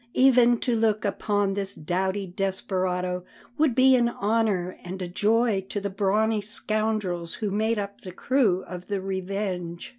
Even to look upon this doughty desperado would be an honour and a joy to the brawny scoundrels who made up the crew of the Revenge.